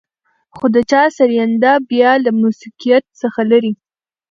خو د چا سرېنده بيا له موسيقيت څخه لېرې.